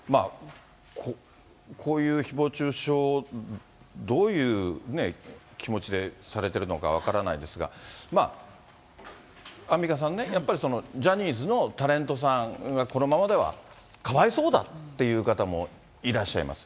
こういうひぼう中傷、どういうね、気持ちでされているのか分からないですが、アンミカさんね、やっぱりそのジャニーズのタレントさんがこのままではかわいそうだっていう方もいらっしゃいます。